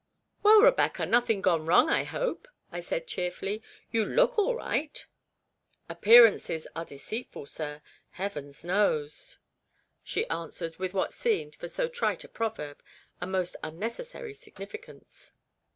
*" Well, Rebecca, nothing gone wrong, I hope?" I said cheerfully. "You look all right." " Appearances are deceitful, sir, Heavens knows," she answered, with what seemed, for so trite a proverb, a most unnecessary significance.